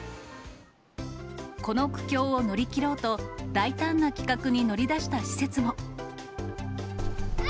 この苦境を乗り切ろうと、大胆な企画に乗り出した施設も。